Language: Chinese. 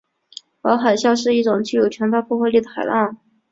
而海啸是一种具有强大破坏力的海浪。